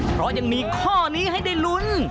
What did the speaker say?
เพราะยังมีข้อนี้ให้ได้ลุ้น